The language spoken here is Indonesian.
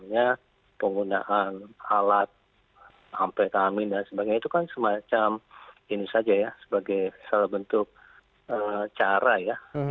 ya penggunaan alat amfetamin dan sebagainya itu kan semacam ini saja ya sebagai salah bentuk cara ya